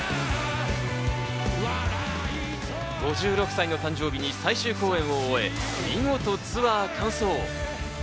５６歳の誕生日に最終公演を終え、見事ツアー完走。